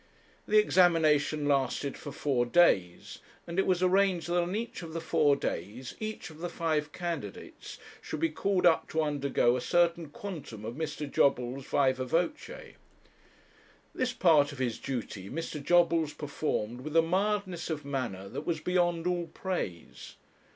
The examination lasted for four days, and it was arranged that on each of the four days each of the five candidates should be called up to undergo a certain quantum of Mr. Jobbles' viva voce. This part of his duty Mr. Jobbles performed with a mildness of manner that was beyond all praise.